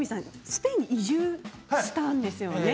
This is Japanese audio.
スペインに移住したんですよね。